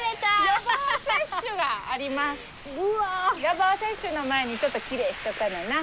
予防接種の前にちょっときれいしとかなな。